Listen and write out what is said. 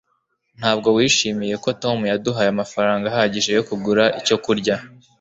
ntabwo wishimiye ko tom yaduhaye amafaranga ahagije yo kugura icyo kurya